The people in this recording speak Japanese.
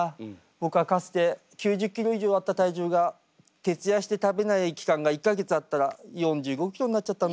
僕はかつて９０キロ以上あった体重が徹夜して食べない期間が１か月あったら４５キロになっちゃったんだよね。